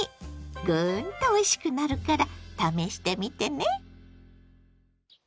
グーンとおいしくなるから試してみてね。